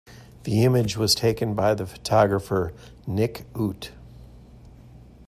The image was taken by the photographer Nick Ut.